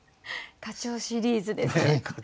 課長シリーズですね。